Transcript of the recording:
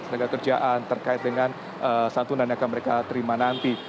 keterangan terkait dengan santunan yang akan mereka terima nanti